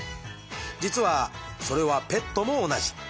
実はそれはペットも同じ。